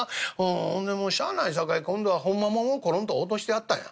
ほんでもうしゃあないさかい今度はホンマもんをコロンと落としてやったんやなあ。